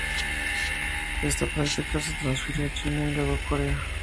Esta práctica se transfirió a China y luego a Corea.